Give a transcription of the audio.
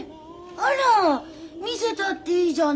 あら見せたっていいじゃない。